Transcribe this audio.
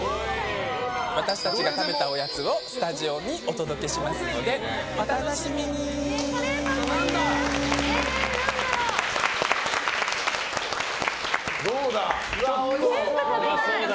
私たちが食べたおやつをスタジオにお届けしますのでうまそうだ。